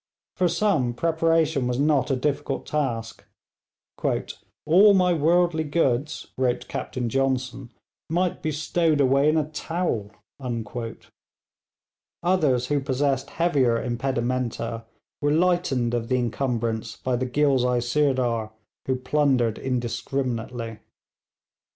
For some preparation was not a difficult task. 'All my worldly goods,' wrote Captain Johnson, 'might be stowed away in a towel.' Others who possessed heavier impedimenta, were lightened of the encumbrance by the Ghilzai Sirdar, who plundered indiscriminately.